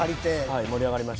はい盛り上がりました。